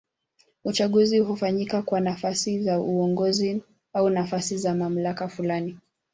Uchaguzi hufanyika kwa nafasi za uongozi au nafasi za mamlaka fulani.